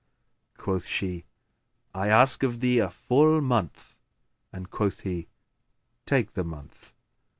Quoth she, "I ask of thee a full month;" and quoth he "Take the month."